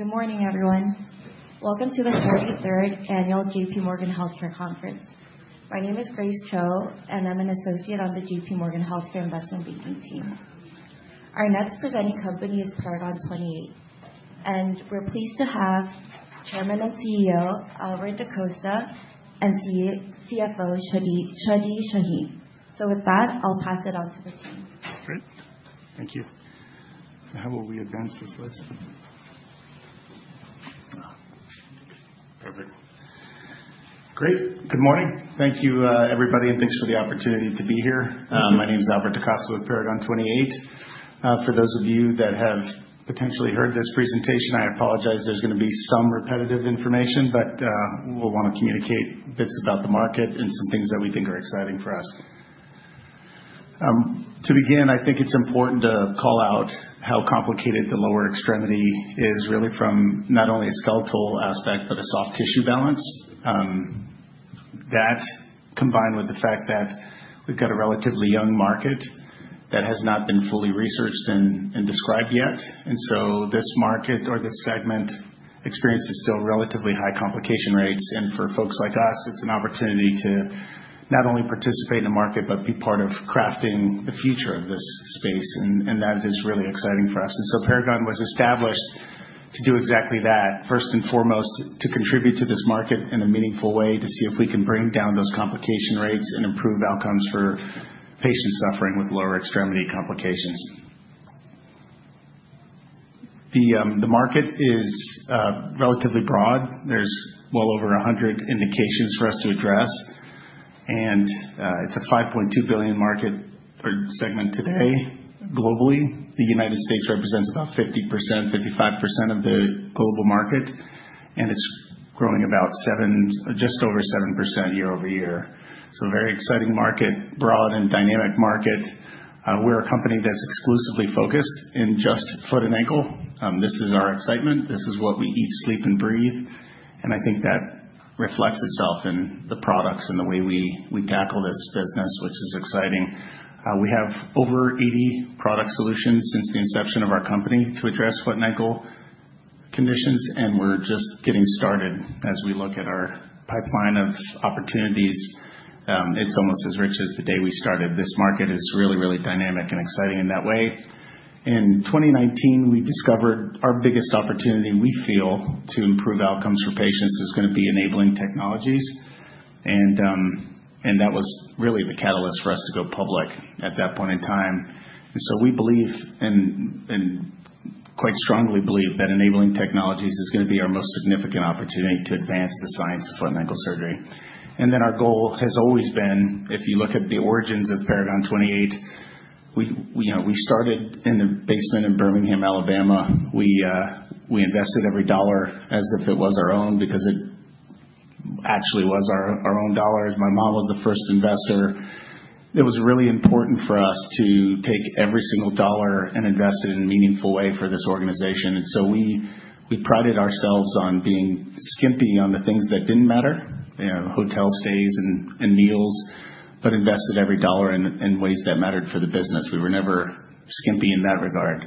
Good morning, everyone. Welcome to the 43rd annual JPMorgan Healthcare Conference. My name is Grace Cho, and I'm an associate on the JPMorgan Healthcare Investment Banking team. Our next presenting company is Paragon 28, and we're pleased to have Chairman and CEO Albert DaCosta and CFO Chadi Chahine, so with that, I'll pass it on to the team. Great. Thank you. How will we advance this list? Perfect. Great. Good morning. Thank you, everybody, and thanks for the opportunity to be here. My name is Albert DaCosta with Paragon 28. For those of you that have potentially heard this presentation, I apologize. There's going to be some repetitive information, but we'll want to communicate bits about the market and some things that we think are exciting for us. To begin, I think it's important to call out how complicated the lower extremity is, really from not only a skeletal aspect but a soft tissue balance. That, combined with the fact that we've got a relatively young market that has not been fully researched and described yet, means this market, or this segment, experiences still relatively high complication rates. For folks like us, it's an opportunity to not only participate in the market but be part of crafting the future of this space. That is really exciting for us. Paragon was established to do exactly that, first and foremost, to contribute to this market in a meaningful way, to see if we can bring down those complication rates and improve outcomes for patients suffering with lower extremity complications. The market is relatively broad. There's well over 100 indications for us to address. It's a $5.2 billion market or segment today, globally. The United States represents about 50%, 55% of the global market. It's growing about just over 7% year-over-year. It's a very exciting market, broad and dynamic market. We're a company that's exclusively focused in just foot and ankle. This is our excitement. This is what we eat, sleep, and breathe. I think that reflects itself in the products and the way we tackle this business, which is exciting. We have over 80 product solutions since the inception of our company to address foot and ankle conditions. And we're just getting started as we look at our pipeline of opportunities. It's almost as rich as the day we started. This market is really, really dynamic and exciting in that way. In 2019, we discovered our biggest opportunity, we feel, to improve outcomes for patients is going to be enabling technologies. And that was really the catalyst for us to go public at that point in time. And so we believe, and quite strongly believe, that enabling technologies is going to be our most significant opportunity to advance the science of foot and ankle surgery. And then our goal has always been, if you look at the origins of Paragon 28, we started in the basement in Birmingham, Alabama. We invested every dollar as if it was our own because it actually was our own dollars. My mom was the first investor. It was really important for us to take every single dollar and invest it in a meaningful way for this organization. So we prided ourselves on being skimpy on the things that didn't matter, hotel stays and meals, but invested every dollar in ways that mattered for the business. We were never skimpy in that regard.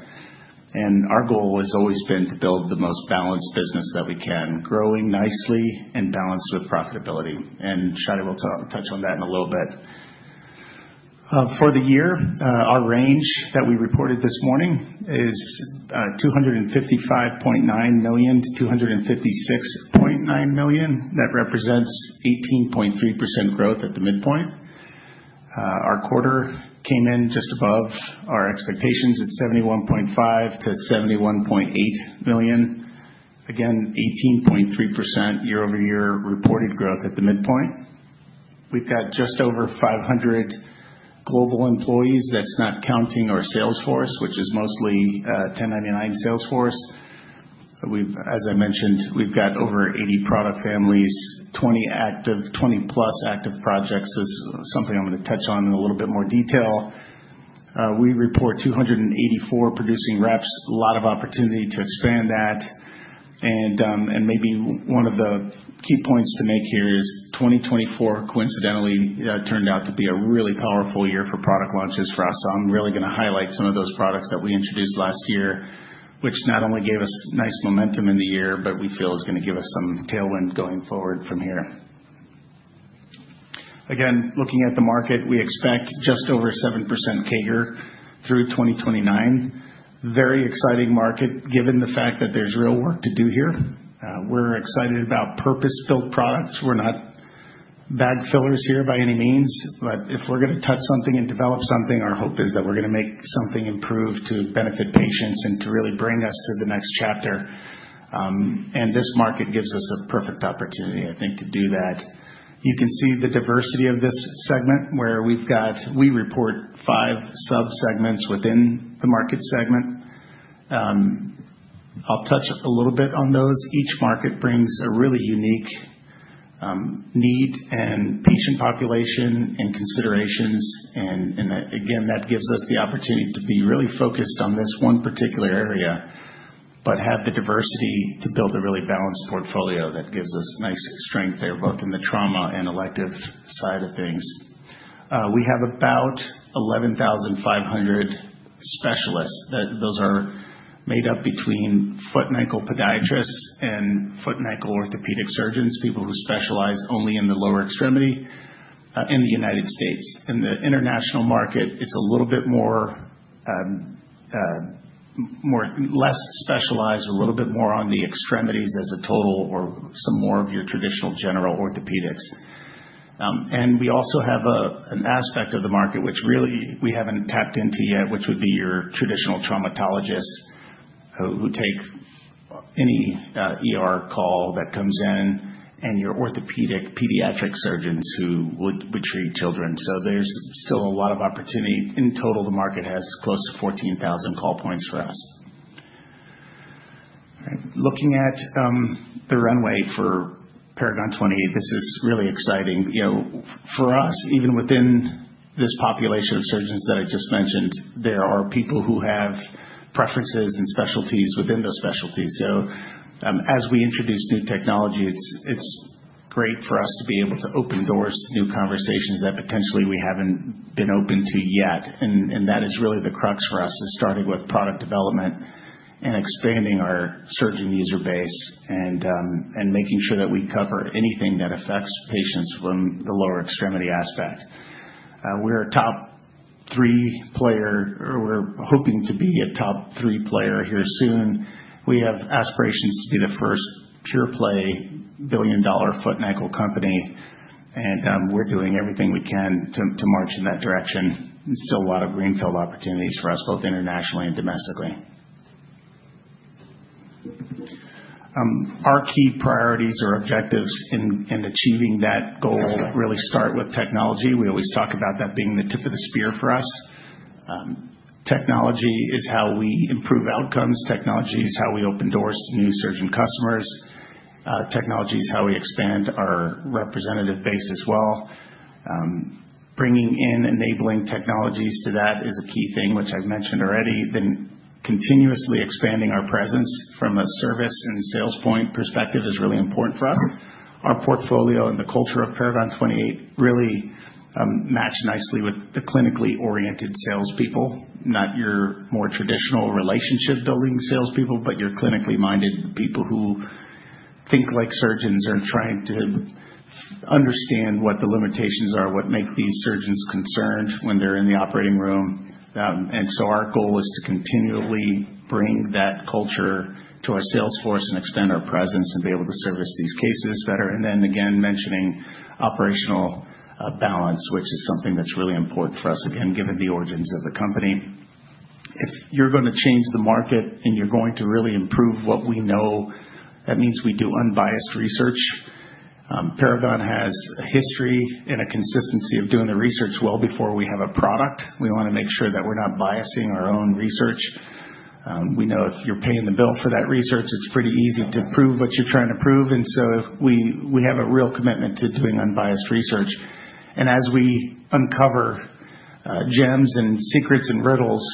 Our goal has always been to build the most balanced business that we can, growing nicely and balanced with profitability. Chadi will touch on that in a little bit. For the year, our range that we reported this morning is $255.9 million-$256.9 million. That represents 18.3% growth at the midpoint. Our quarter came in just above our expectations at $71.5 million-$71.8 million. Again, 18.3% year-over-year reported growth at the midpoint. We've got just over 500 global employees. That's not counting our sales force, which is mostly 1099 sales force. As I mentioned, we've got over 80 product families, 20-plus active projects, is something I'm going to touch on in a little bit more detail. We report 284 producing reps, a lot of opportunity to expand that, and maybe one of the key points to make here is 2024, coincidentally, turned out to be a really powerful year for product launches for us, so I'm really going to highlight some of those products that we introduced last year, which not only gave us nice momentum in the year, but we feel is going to give us some tailwind going forward from here. Again, looking at the market, we expect just over 7% CAGR through 2029. Very exciting market, given the fact that there's real work to do here. We're excited about purpose-built products. We're not bag fillers here by any means. But if we're going to touch something and develop something, our hope is that we're going to make something improve to benefit patients and to really bring us to the next chapter. And this market gives us a perfect opportunity, I think, to do that. You can see the diversity of this segment where we report five subsegments within the market segment. I'll touch a little bit on those. Each market brings a really unique need and patient population and considerations. And again, that gives us the opportunity to be really focused on this one particular area, but have the diversity to build a really balanced portfolio that gives us nice strength there, both in the trauma and elective side of things. We have about 11,500 specialists. Those are made up between foot and ankle podiatrists and foot and ankle orthopedic surgeons, people who specialize only in the lower extremity in the United States. In the international market, it's a little bit more less specialized, a little bit more on the extremities as a total or some more of your traditional general orthopedics, and we also have an aspect of the market, which really we haven't tapped into yet, which would be your traditional traumatologists who take any call that comes in, and your orthopedic pediatric surgeons who would treat children, so there's still a lot of opportunity. In total, the market has close to 14,000 call points for us. Looking at the runway for Paragon 28, this is really exciting. For us, even within this population of surgeons that I just mentioned, there are people who have preferences and specialties within those specialties. So as we introduce new technology, it's great for us to be able to open doors to new conversations that potentially we haven't been open to yet. And that is really the crux for us, is starting with product development and expanding our surgeon user base and making sure that we cover anything that affects patients from the lower extremity aspect. We're a top three player, or we're hoping to be a top three player here soon. We have aspirations to be the first pure-play billion-dollar foot and ankle company. And we're doing everything we can to march in that direction and still a lot of greenfield opportunities for us, both internationally and domestically. Our key priorities or objectives in achieving that goal really start with technology. We always talk about that being the tip of the spear for us. Technology is how we improve outcomes. Technology is how we open doors to new surgeon customers. Technology is how we expand our representative base as well. Bringing in enabling technologies to that is a key thing, which I've mentioned already, then continuously expanding our presence from a service and sales point perspective is really important for us. Our portfolio and the culture of Paragon 28 really match nicely with the clinically oriented salespeople, not your more traditional relationship-building salespeople, but your clinically minded people who think like surgeons, are trying to understand what the limitations are, what makes these surgeons concerned when they're in the operating room, and so our goal is to continually bring that culture to our sales force and expand our presence and be able to service these cases better. And then again, mentioning operational balance, which is something that's really important for us, again, given the origins of the company. If you're going to change the market and you're going to really improve what we know, that means we do unbiased research. Paragon has a history and a consistency of doing the research well before we have a product. We want to make sure that we're not biasing our own research. We know if you're paying the bill for that research, it's pretty easy to prove what you're trying to prove. And so we have a real commitment to doing unbiased research. And as we uncover gems and secrets and riddles,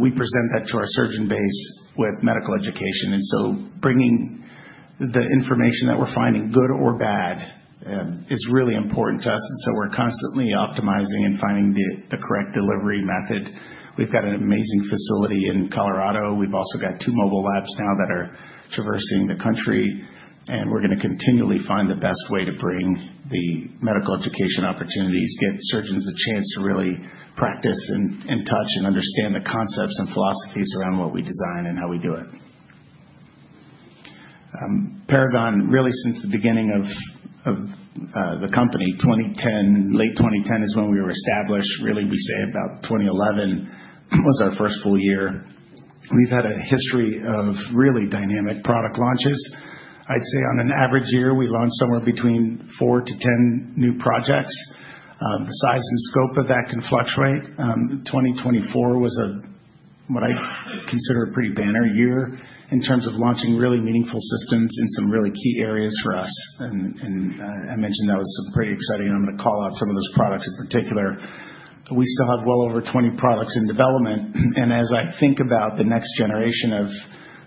we present that to our surgeon base with medical education. And so bringing the information that we're finding, good or bad, is really important to us. And so we're constantly optimizing and finding the correct delivery method. We've got an amazing facility in Colorado. We've also got two mobile labs now that are traversing the country, and we're going to continually find the best way to bring the medical education opportunities, get surgeons the chance to really practice and touch and understand the concepts and philosophies around what we design and how we do it. Paragon, really, since the beginning of the company, late 2010 is when we were established. Really, we say about 2011 was our first full year. We've had a history of really dynamic product launches. I'd say on an average year, we launch somewhere between four to 10 new projects. The size and scope of that can fluctuate. 2024 was what I consider a pretty banner year in terms of launching really meaningful systems in some really key areas for us, and I mentioned that was pretty exciting. I'm going to call out some of those products in particular. We still have well over 20 products in development. And as I think about the next generation of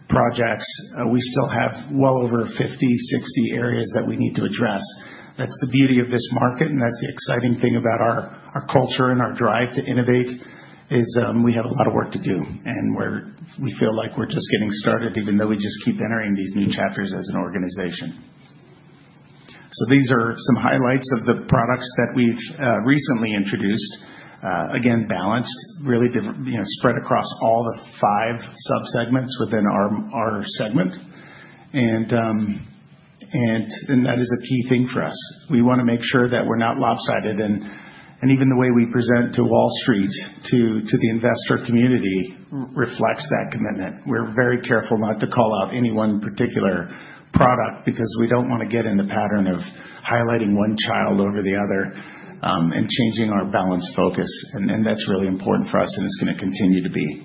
projects, we still have well over 50, 60 areas that we need to address. That's the beauty of this market. And that's the exciting thing about our culture and our drive to innovate, is we have a lot of work to do. And we feel like we're just getting started, even though we just keep entering these new chapters as an organization. So these are some highlights of the products that we've recently introduced. Again, balanced, really spread across all the five subsegments within our segment. And that is a key thing for us. We want to make sure that we're not lopsided. And even the way we present to Wall Street, to the investor community, reflects that commitment. We're very careful not to call out any one particular product because we don't want to get in the pattern of highlighting one child over the other and changing our balanced focus, and that's really important for us, and it's going to continue to be.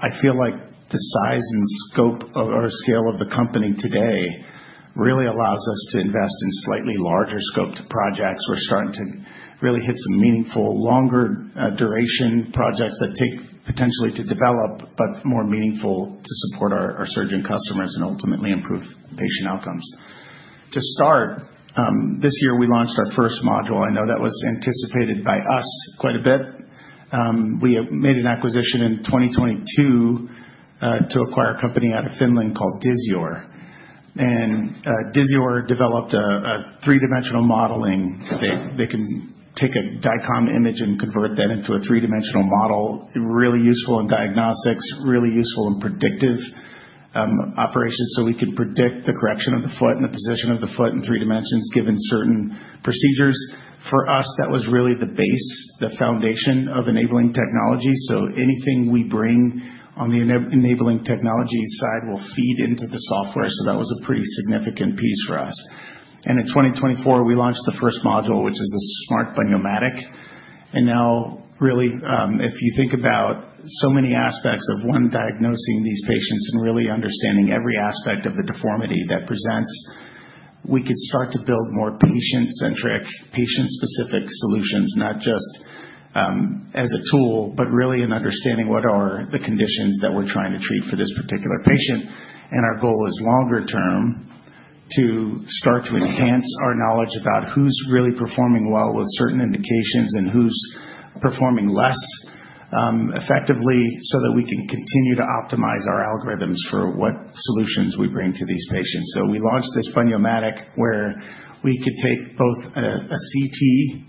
I feel like the size and scope or scale of the company today really allows us to invest in slightly larger scoped projects. We're starting to really hit some meaningful, longer duration projects that take potentially to develop, but more meaningful to support our surgeon customers and ultimately improve patient outcomes. To start, this year, we launched our first module. I know that was anticipated by us quite a bit. We made an acquisition in 2022 to acquire a company out of Finland called Disior, and Disior developed a three-dimensional modeling. They can take a DICOM image and convert that into a three-dimensional model. Really useful in diagnostics, really useful in predictive operations. So we can predict the correction of the foot and the position of the foot in three dimensions given certain procedures. For us, that was really the base, the foundation of enabling technology. So anything we bring on the enabling technology side will feed into the software. So that was a pretty significant piece for us. And in 2024, we launched the first module, which is the SMART Bun-Yo-Matic. And now, really, if you think about so many aspects of one diagnosing these patients and really understanding every aspect of the deformity that presents, we could start to build more patient-centric, patient-specific solutions, not just as a tool, but really in understanding what are the conditions that we're trying to treat for this particular patient. Our goal is longer term to start to enhance our knowledge about who's really performing well with certain indications and who's performing less effectively so that we can continue to optimize our algorithms for what solutions we bring to these patients. We launched this Bun-Yo-Matic where we could take both a CT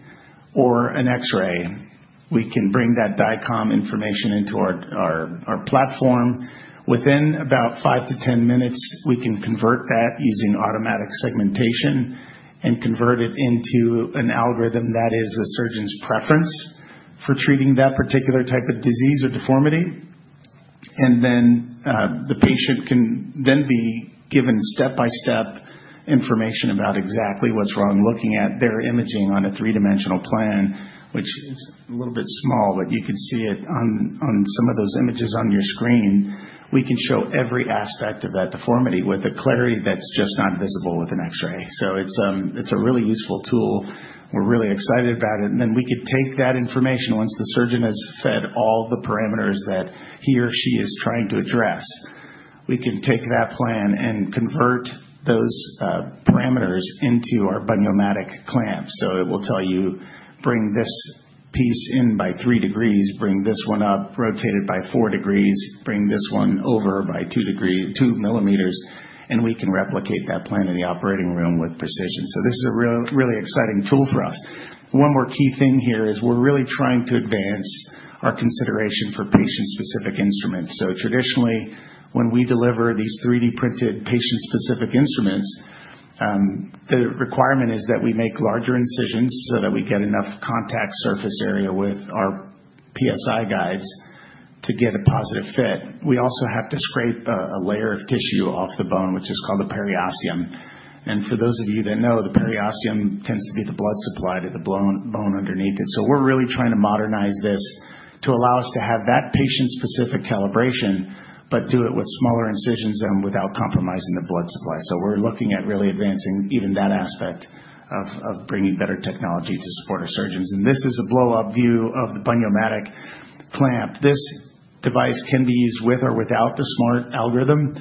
or an X-ray. We can bring that DICOM information into our platform. Within about 5-10 minutes, we can convert that using automatic segmentation and convert it into an algorithm that is a surgeon's preference for treating that particular type of disease or deformity. The patient can then be given step-by-step information about exactly what's wrong, looking at their imaging on a three-dimensional plan, which is a little bit small, but you can see it on some of those images on your screen. We can show every aspect of that deformity with a clarity that's just not visible with an X-ray. So it's a really useful tool. We're really excited about it. And then we could take that information once the surgeon has fed all the parameters that he or she is trying to address. We can take that plan and convert those parameters into our Bun-Yo-Matic clamp. So it will tell you, "Bring this piece in by 3 degrees. Bring this one up, rotate it by 4 degrees. Bring this one over by 2 mm." And we can replicate that plan in the operating room with precision. So this is a really exciting tool for us. One more key thing here is we're really trying to advance our consideration for patient-specific instruments. Traditionally, when we deliver these 3D-printed patient-specific instruments, the requirement is that we make larger incisions so that we get enough contact surface area with our PSI guides to get a positive fit. We also have to scrape a layer of tissue off the bone, which is called the periosteum. For those of you that know, the periosteum tends to be the blood supply to the bone underneath it. We're really trying to modernize this to allow us to have that patient-specific calibration, but do it with smaller incisions and without compromising the blood supply. We're looking at really advancing even that aspect of bringing better technology to support our surgeons. This is a blow-up view of the Bun-Yo-Matic clamp. This device can be used with or without the smart algorithm.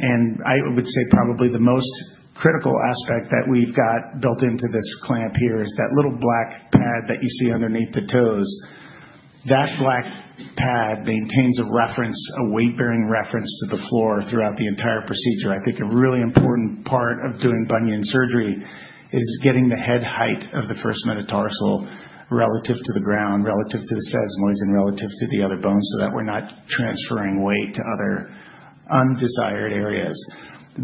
I would say probably the most critical aspect that we've got built into this clamp here is that little black pad that you see underneath the toes. That black pad maintains a reference, a weight-bearing reference to the floor throughout the entire procedure. I think a really important part of doing bunion surgery is getting the head height of the first metatarsal relative to the ground, relative to the sesamoids, and relative to the other bones so that we're not transferring weight to other undesired areas.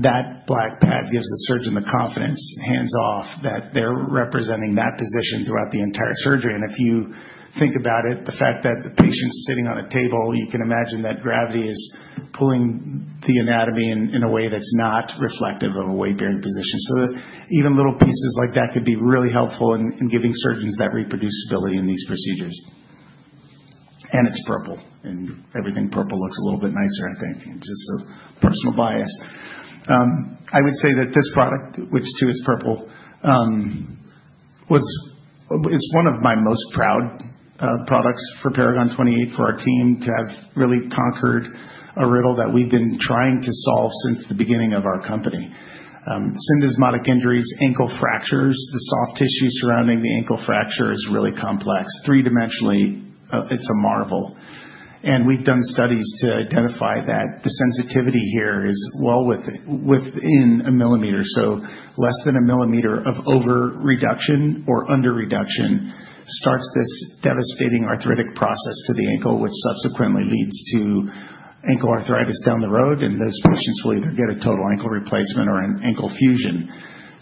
That black pad gives the surgeon the confidence hands-off that they're representing that position throughout the entire surgery. If you think about it, the fact that the patient's sitting on a table, you can imagine that gravity is pulling the anatomy in a way that's not reflective of a weight-bearing position. So even little pieces like that could be really helpful in giving surgeons that reproducibility in these procedures. And it's purple. And everything purple looks a little bit nicer, I think, just a personal bias. I would say that this product, which too is purple, is one of my most proud products for Paragon 28 for our team to have really conquered a riddle that we've been trying to solve since the beginning of our company. Syndesmotic injuries, ankle fractures, the soft tissue surrounding the ankle fracture is really complex. Three-dimensionally, it's a marvel. And we've done studies to identify that the sensitivity here is well within a millimeter. So less than a millimeter of over-reduction or under-reduction starts this devastating arthritic process to the ankle, which subsequently leads to ankle arthritis down the road. And those patients will either get a total ankle replacement or an ankle fusion.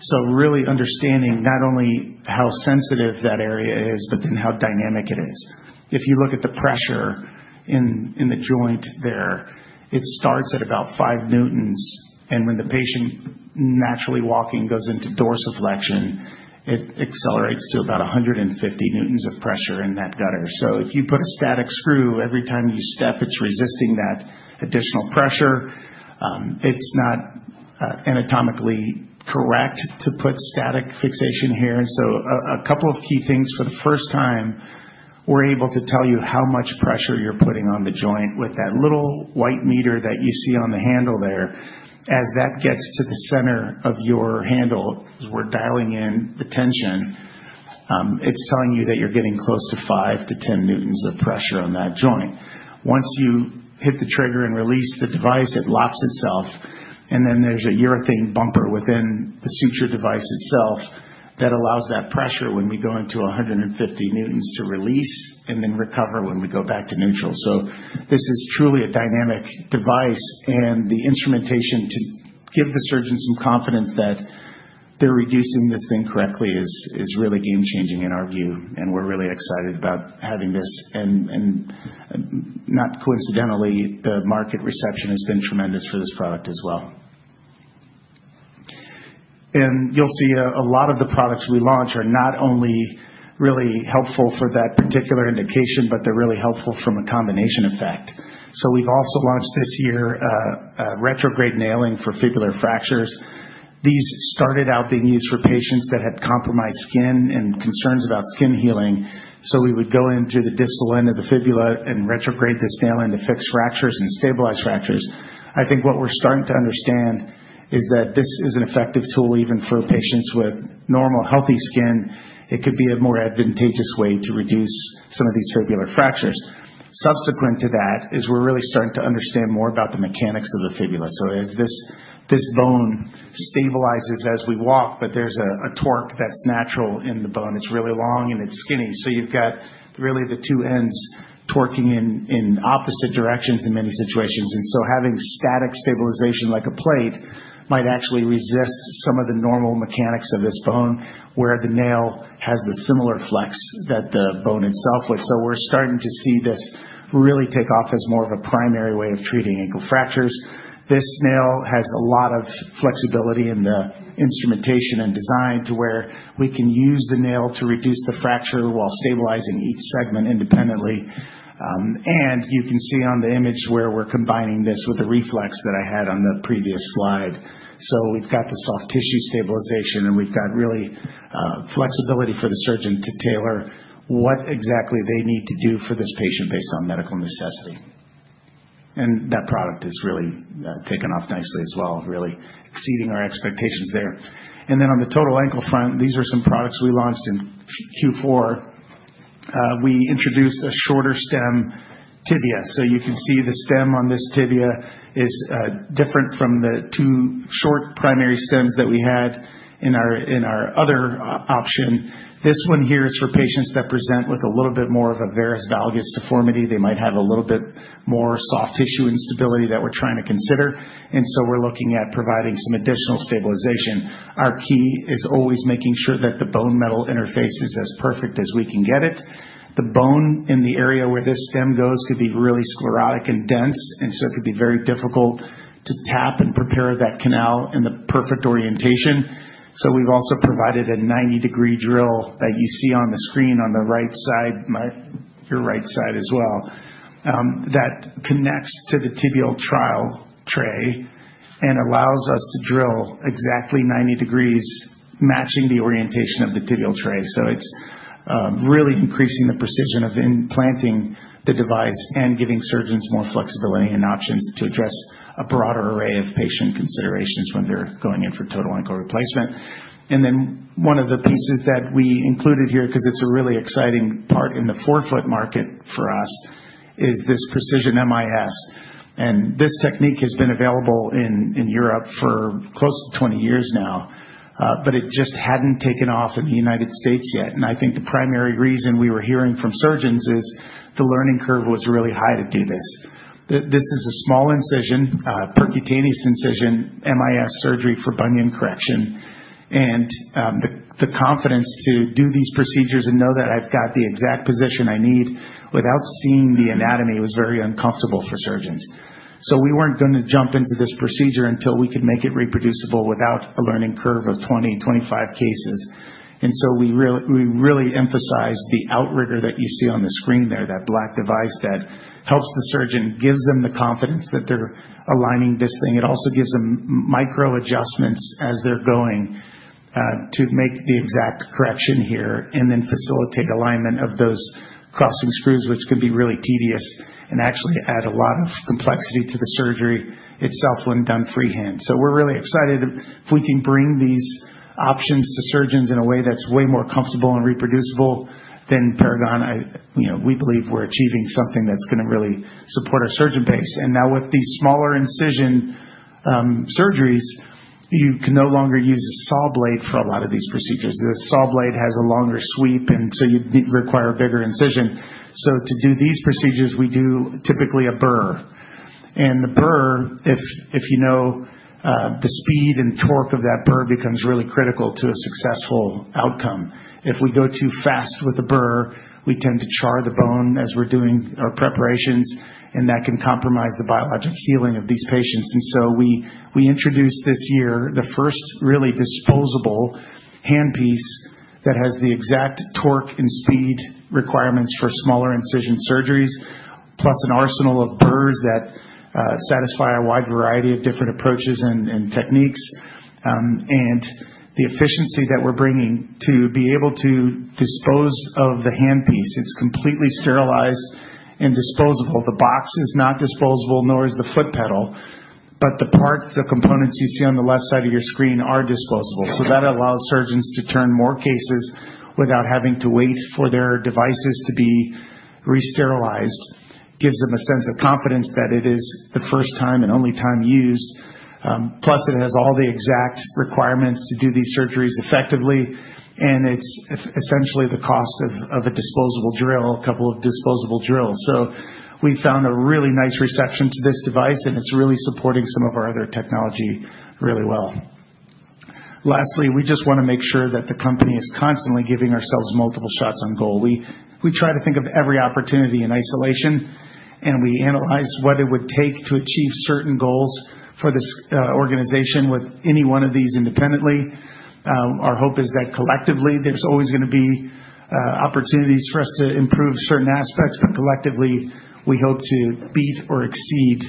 So really understanding not only how sensitive that area is, but then how dynamic it is. If you look at the pressure in the joint there, it starts at about 5 newtons. And when the patient naturally walking goes into dorsiflexion, it accelerates to about 150 newtons of pressure in that gutter. So if you put a static screw, every time you step, it's resisting that additional pressure. It's not anatomically correct to put static fixation here. And so a couple of key things for the first time, we're able to tell you how much pressure you're putting on the joint with that little white meter that you see on the handle there. As that gets to the center of your handle, as we're dialing in the tension, it's telling you that you're getting close to 5 to 10 newtons of pressure on that joint. Once you hit the trigger and release the device, it locks itself. And then there's a urethane bumper within the suture device itself that allows that pressure when we go into 150 newtons to release and then recover when we go back to neutral. So this is truly a dynamic device. And the instrumentation to give the surgeon some confidence that they're reducing this thing correctly is really game-changing in our view. And we're really excited about having this. And not coincidentally, the market reception has been tremendous for this product as well. And you'll see a lot of the products we launch are not only really helpful for that particular indication, but they're really helpful from a combination effect. So we've also launched this year retrograde nailing for fibular fractures. These started out being used for patients that had compromised skin and concerns about skin healing. So we would go in through the distal end of the fibula and retrograde this nail in to fix fractures and stabilize fractures. I think what we're starting to understand is that this is an effective tool even for patients with normal healthy skin. It could be a more advantageous way to reduce some of these fibular fractures. Subsequent to that is we're really starting to understand more about the mechanics of the fibula. So as this bone stabilizes as we walk, but there's a torque that's natural in the bone. It's really long and it's skinny. So you've got really the two ends torquing in opposite directions in many situations. And so having static stabilization like a plate might actually resist some of the normal mechanics of this bone where the nail has the similar flex that the bone itself would. So we're starting to see this really take off as more of a primary way of treating ankle fractures. This nail has a lot of flexibility in the instrumentation and design to where we can use the nail to reduce the fracture while stabilizing each segment independently. And you can see on the image where we're combining this with the R3FLEX that I had on the previous slide. So we've got the soft tissue stabilization, and we've got really flexibility for the surgeon to tailor what exactly they need to do for this patient based on medical necessity. And that product has really taken off nicely as well, really exceeding our expectations there. And then on the total ankle front, these are some products we launched in Q4. We introduced a shorter stem tibia. You can see the stem on this tibia is different from the two short primary stems that we had in our other option. This one here is for patients that present with a little bit more of a varus-valgus deformity. They might have a little bit more soft tissue instability that we're trying to consider. We're looking at providing some additional stabilization. Our key is always making sure that the bone metal interface is as perfect as we can get it. The bone in the area where this stem goes could be really sclerotic and dense, and so it could be very difficult to tap and prepare that canal in the perfect orientation. So we've also provided a 90-degree drill that you see on the screen on the right side, your right side as well, that connects to the tibial trial tray and allows us to drill exactly 90 degrees matching the orientation of the tibial tray. So it's really increasing the precision of implanting the device and giving surgeons more flexibility and options to address a broader array of patient considerations when they're going in for total ankle replacement. And then one of the pieces that we included here, because it's a really exciting part in the forefoot market for us, is this Precision MIS. And this technique has been available in Europe for close to 20 years now, but it just hadn't taken off in the United States yet. And I think the primary reason we were hearing from surgeons is the learning curve was really high to do this. This is a small incision, percutaneous incision, MIS surgery for bunion correction, and the confidence to do these procedures and know that I've got the exact position I need without seeing the anatomy was very uncomfortable for surgeons, so we weren't going to jump into this procedure until we could make it reproducible without a learning curve of 20, 25 cases, and so we really emphasize the outrigger that you see on the screen there, that black device that helps the surgeon, gives them the confidence that they're aligning this thing. It also gives them micro-adjustments as they're going to make the exact correction here and then facilitate alignment of those crossing screws, which can be really tedious and actually add a lot of complexity to the surgery itself when done freehand. We're really excited if we can bring these options to surgeons in a way that's way more comfortable and reproducible than Paragon. We believe we're achieving something that's going to really support our surgeon base. Now with these smaller incision surgeries, you can no longer use a saw blade for a lot of these procedures. The saw blade has a longer sweep, and so you'd require a bigger incision. To do these procedures, we do typically a burr. The burr, you know, the speed and torque of that burr becomes really critical to a successful outcome. If we go too fast with the burr, we tend to char the bone as we're doing our preparations, and that can compromise the biologic healing of these patients. And so we introduced this year the first really disposable handpiece that has the exact torque and speed requirements for smaller incision surgeries, plus an arsenal of burrs that satisfy a wide variety of different approaches and techniques. And the efficiency that we're bringing to be able to dispose of the handpiece, it's completely sterilized and disposable. The box is not disposable, nor is the foot pedal. But the parts, the components you see on the left side of your screen are disposable. So that allows surgeons to turn more cases without having to wait for their devices to be re-sterilized, gives them a sense of confidence that it is the first time and only time used. Plus, it has all the exact requirements to do these surgeries effectively. And it's essentially the cost of a disposable drill, a couple of disposable drills. So we found a really nice reception to this device, and it's really supporting some of our other technology really well. Lastly, we just want to make sure that the company is constantly giving ourselves multiple shots on goal. We try to think of every opportunity in isolation, and we analyze what it would take to achieve certain goals for this organization with any one of these independently. Our hope is that collectively, there's always going to be opportunities for us to improve certain aspects, but collectively, we hope to beat or exceed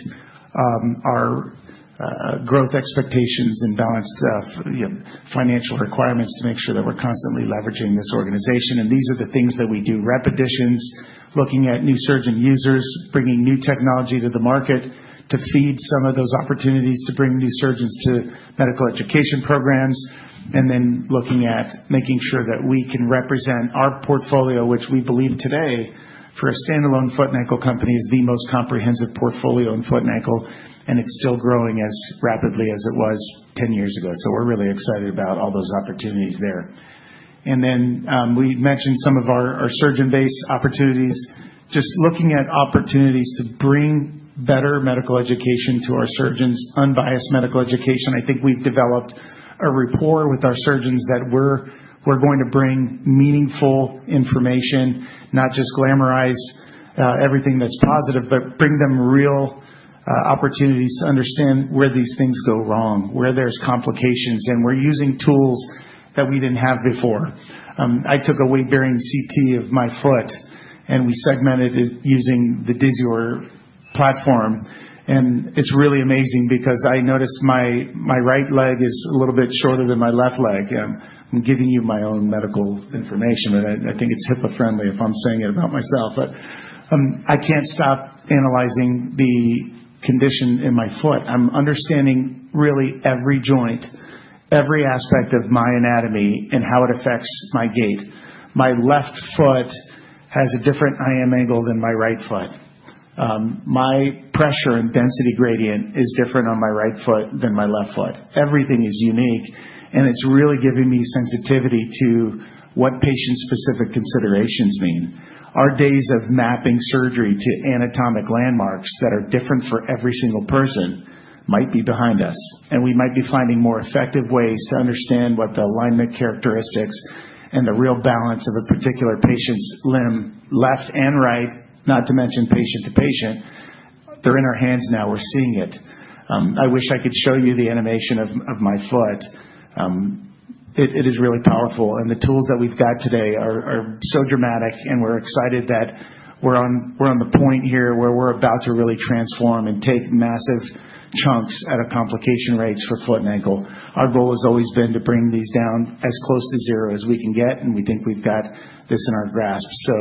our growth expectations and balanced financial requirements to make sure that we're constantly leveraging this organization. These are the things that we do: repetitions, looking at new surgeon users, bringing new technology to the market to feed some of those opportunities to bring new surgeons to medical education programs, and then looking at making sure that we can represent our portfolio, which we believe today for a standalone foot and ankle company is the most comprehensive portfolio in foot and ankle, and it's still growing as rapidly as it was 10 years ago. We're really excited about all those opportunities there. Then we mentioned some of our surgeon-based opportunities. Just looking at opportunities to bring better medical education to our surgeons, unbiased medical education. I think we've developed a rapport with our surgeons that we're going to bring meaningful information, not just glamorize everything that's positive, but bring them real opportunities to understand where these things go wrong, where there's complications, and we're using tools that we didn't have before. I took a weight-bearing CT of my foot, and we segmented it using the Disior platform, and it's really amazing because I noticed my right leg is a little bit shorter than my left leg. I'm giving you my own medical information, but I think it's HIPAA-friendly if I'm saying it about myself. But I can't stop analyzing the condition in my foot. I'm understanding really every joint, every aspect of my anatomy and how it affects my gait. My left foot has a different IM angle than my right foot. My pressure and density gradient is different on my right foot than my left foot. Everything is unique, and it's really giving me sensitivity to what patient-specific considerations mean. Our days of mapping surgery to anatomic landmarks that are different for every single person might be behind us, and we might be finding more effective ways to understand what the alignment characteristics and the real balance of a particular patient's limb, left and right, not to mention patient to patient. They're in our hands now. We're seeing it. I wish I could show you the animation of my foot. It is really powerful, and the tools that we've got today are so dramatic, and we're excited that we're on the point here where we're about to really transform and take massive chunks at a complication rates for foot and ankle. Our goal has always been to bring these down as close to zero as we can get, and we think we've got this in our grasp. So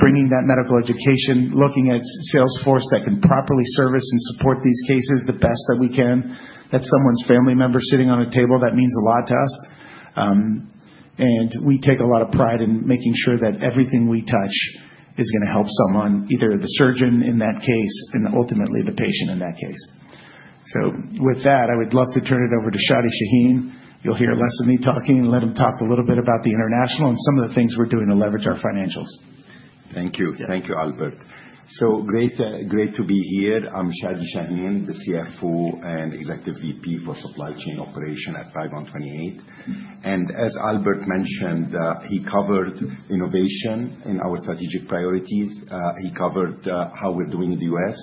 bringing that medical education, looking at sales force that can properly service and support these cases the best that we can, that someone's family member sitting on a table, that means a lot to us. And we take a lot of pride in making sure that everything we touch is going to help someone, either the surgeon in that case and ultimately the patient in that case. So with that, I would love to turn it over to Chadi Chahine. You'll hear less of me talking. Let him talk a little bit about the international and some of the things we're doing to leverage our financials. Thank you. Thank you, Albert. So great to be here. I'm Chadi Chahine, the CFO and Executive VP for Supply Chain Operations at Paragon 28. And as Albert mentioned, he covered innovation in our strategic priorities. He covered how we're doing in the U.S.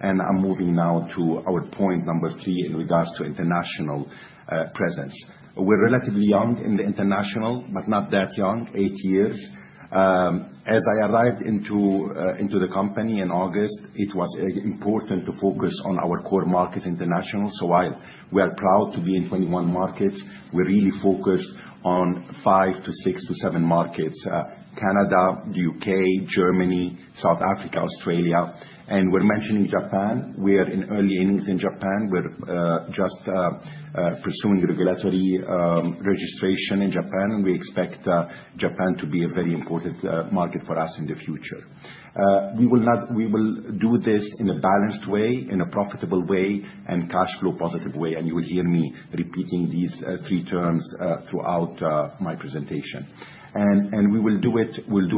And I'm moving now to our point number three in regards to international presence. We're relatively young in the international, but not that young, eight years. As I arrived into the company in August, it was important to focus on our core markets international. So while we are proud to be in 21 markets, we're really focused on five to six to seven markets: Canada, the U.K., Germany, South Africa, Australia. And we're mentioning Japan. We're in early innings in Japan. We're just pursuing regulatory registration in Japan, and we expect Japan to be a very important market for us in the future. We will do this in a balanced way, in a profitable way, and cash flow positive way, and you will hear me repeating these three terms throughout my presentation. We will do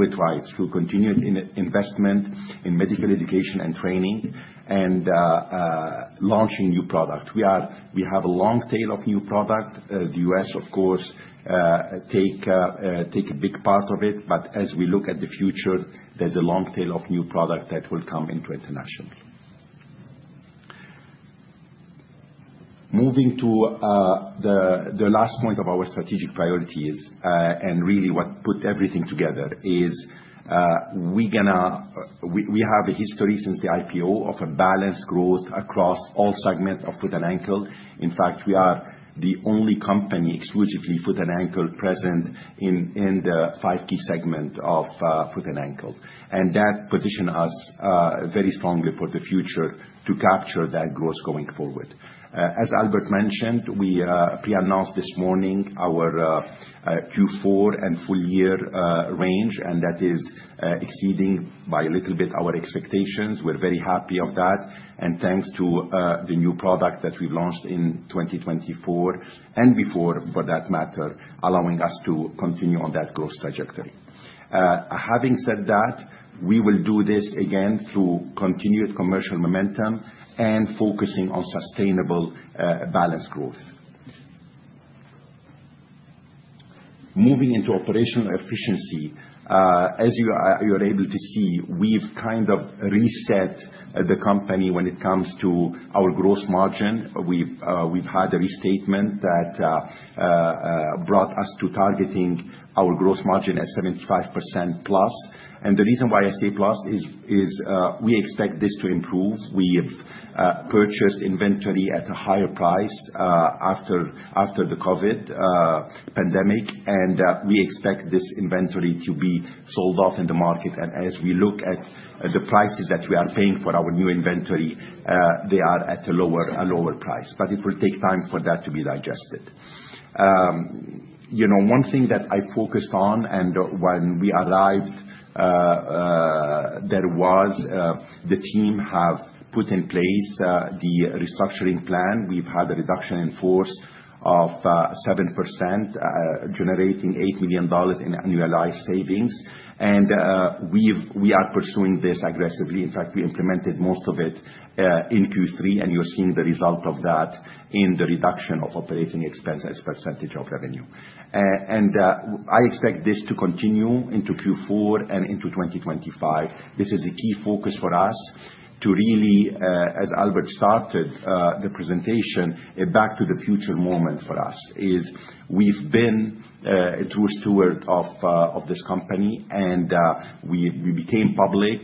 it right. We'll continue investment in medical education and training and launching new products. We have a long tail of new products. The U.S., of course, takes a big part of it, but as we look at the future, there's a long tail of new products that will come into international. Moving to the last point of our strategic priorities and really what put everything together is we have a history since the IPO of a balanced growth across all segments of foot and ankle. In fact, we are the only company exclusively foot and ankle present in the five key segments of foot and ankle. And that positions us very strongly for the future to capture that growth going forward. As Albert mentioned, we pre-announced this morning our Q4 and full year range, and that is exceeding by a little bit our expectations. We're very happy of that. And thanks to the new product that we've launched in 2024 and before for that matter, allowing us to continue on that growth trajectory. Having said that, we will do this again through continued commercial momentum and focusing on sustainable balanced growth. Moving into operational efficiency, as you are able to see, we've kind of reset the company when it comes to our gross margin. We've had a restatement that brought us to targeting our gross margin at 75% plus. And the reason why I say plus is we expect this to improve. We've purchased inventory at a higher price after the COVID pandemic, and we expect this inventory to be sold off in the market, and as we look at the prices that we are paying for our new inventory, they are at a lower price, but it will take time for that to be digested. One thing that I focused on, and when we arrived, there was the team has put in place the restructuring plan. We've had a reduction in force of 7%, generating $8 million in annualized savings, and we are pursuing this aggressively. In fact, we implemented most of it in Q3, and you're seeing the result of that in the reduction of operating expense as a percentage of revenue, and I expect this to continue into Q4 and into 2025. This is a key focus for us to really, as Albert started the presentation, a back-to-the-future moment for us is we've been a true steward of this company, and we became public.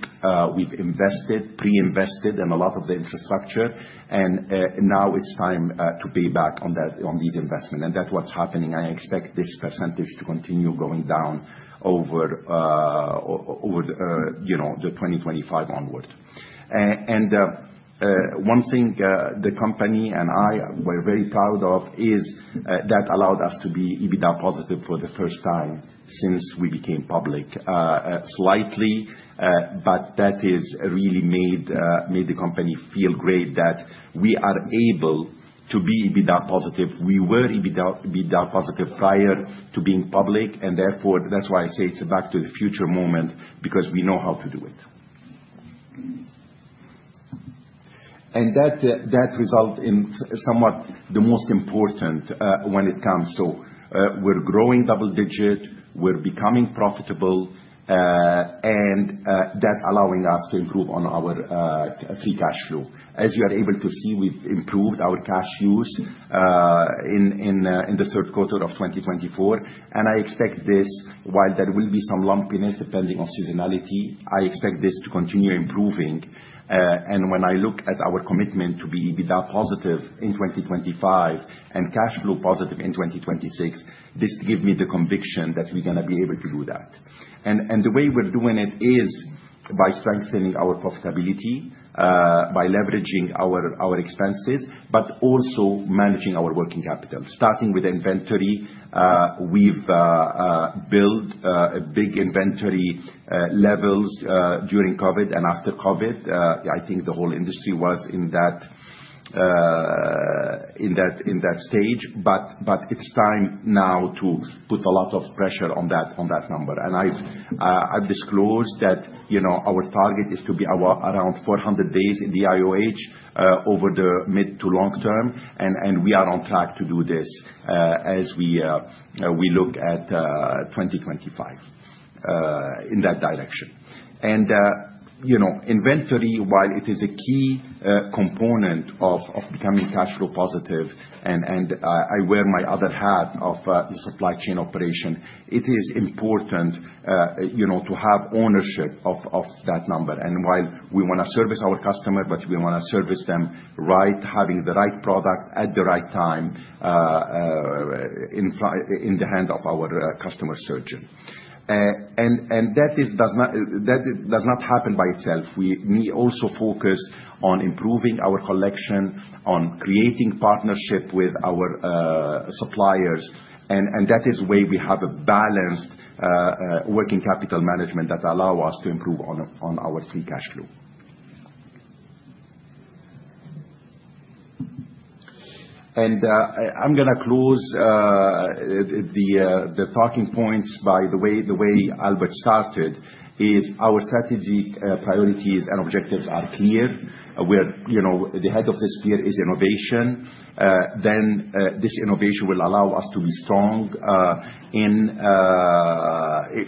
We've invested, pre-invested in a lot of the infrastructure, and now it's time to pay back on these investments, and that's what's happening. I expect this percentage to continue going down over the 2025 onward, and one thing the company and I were very proud of is that allowed us to be EBITDA positive for the first time since we became public, slightly, but that has really made the company feel great that we are able to be EBITDA positive. We were EBITDA positive prior to being public, and therefore that's why I say it's a back-to-the-future moment because we know how to do it, and that result in somewhat the most important when it comes. So we're growing double-digit. We're becoming profitable, and that's allowing us to improve on our free cash flow. As you are able to see, we've improved our cash use in the third quarter of 2024. And I expect this, while there will be some lumpiness depending on seasonality, I expect this to continue improving. And when I look at our commitment to be EBITDA positive in 2025 and cash flow positive in 2026, this gives me the conviction that we're going to be able to do that. And the way we're doing it is by strengthening our profitability, by leveraging our expenses, but also managing our working capital. Starting with inventory, we've built big inventory levels during COVID and after COVID. I think the whole industry was in that stage, but it's time now to put a lot of pressure on that number. And I've disclosed that our target is to be around 400 days in the IOH over the mid to long term, and we are on track to do this as we look at 2025 in that direction. And inventory, while it is a key component of becoming cash flow positive, and I wear my other hat of the supply chain operation, it is important to have ownership of that number. And while we want to service our customers, but we want to service them right, having the right product at the right time in the hand of our customer surgeon. And that does not happen by itself. We also focus on improving our collection, on creating partnership with our suppliers, and that is where we have a balanced working capital management that allows us to improve on our free cash flow. And I'm going to close the talking points. By the way, Albert started: our strategic priorities and objectives are clear. The head of this spear is innovation. Then this innovation will allow us to be strong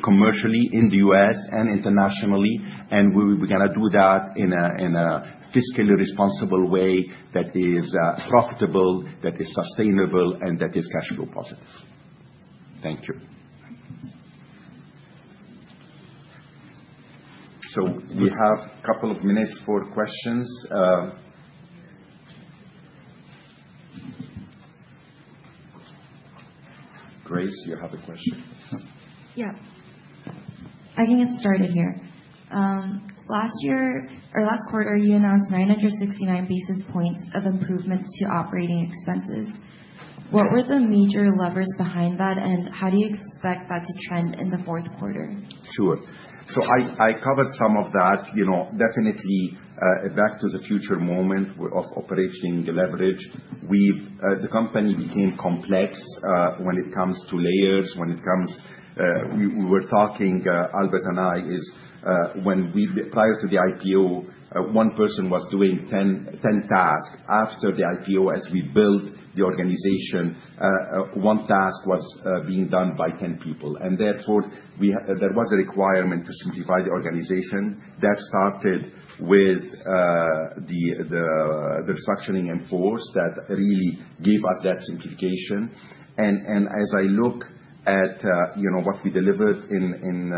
commercially in the U.S. and internationally, and we're going to do that in a fiscally responsible way that is profitable, that is sustainable, and that is cash flow positive. Thank you. So we have a couple of minutes for questions. Grace, you have a question. Yeah. I can get started here. Last year or last quarter, you announced 969 basis points of improvements to operating expenses. What were the major levers behind that, and how do you expect that to trend in the fourth quarter? Sure. So I covered some of that. Definitely back to the future moment of operating leverage. The company became complex when it comes to layers. When it comes to, we were talking, Albert and I, is when prior to the IPO, one person was doing 10 tasks. After the IPO, as we built the organization, one task was being done by 10 people. And therefore, there was a requirement to simplify the organization. That started with the restructuring enforced that really gave us that simplification. And as I look at what we delivered in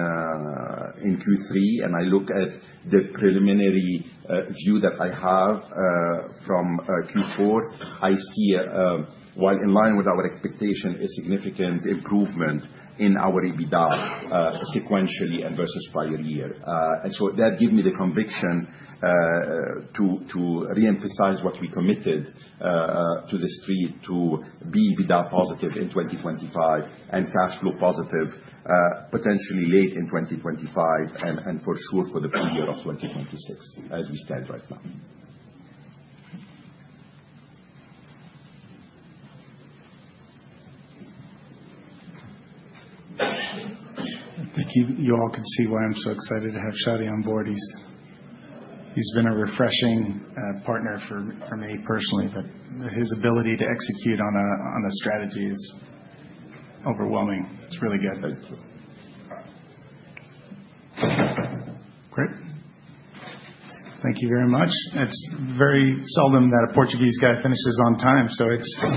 Q3, and I look at the preliminary view that I have from Q4, I see, while in line with our expectation, a significant improvement in our EBITDA sequentially versus prior year. And so that gives me the conviction to reemphasize what we committed to the street to be EBITDA positive in 2025 and cash flow positive potentially late in 2025 and for sure for the full year of 2026 as we stand right now. Thank you. You all can see why I'm so excited to have Chadi on board. He's been a refreshing partner for me personally, but his ability to execute on a strategy is overwhelming. It's really good. Thank you. Great. Thank you very much. It's very seldom that a Portuguese guy finishes on time, so it's.